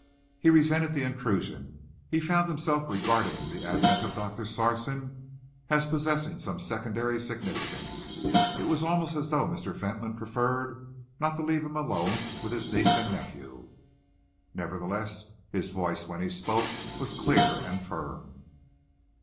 He resented the intrusion. He found himself regarding the advent of Doctor Sarson as possessing some secondary significance. It was almost as though Mr. Fentolin preferred not to leave him alone with his niece and nephew. Nevertheless, his voice, when he spoke, was clear and firm.